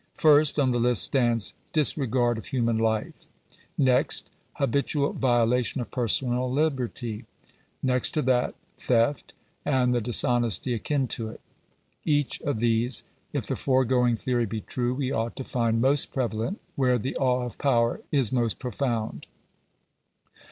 First on the list stands disre gard of human life ; next, habitual violation of personal liberty; Digitized by VjOOQIC GENERAL CONSIDERATIONS. 421 next to that, theft, and the dishonesty akin to it. Each of these, if the foregoing theory be true ; we ought to find most prevalent where the awe of power is most profound.